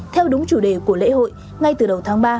theo đúng chủ đề của lễ hội ngay từ đầu tháng ba